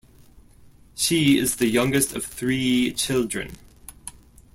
She is the youngest of three children.